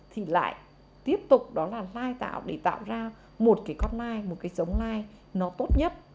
thì lại tiếp tục đó là lai tạo để tạo ra một cái conne một cái giống lai nó tốt nhất